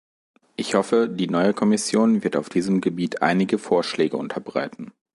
Ich hoffe, die neue Kommission wird auf diesem Gebiet einige Vorschläge unterbreiten.